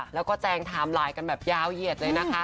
แล้วก็แจงไทม์ไลน์กันแบบยาวเหยียดเลยนะคะ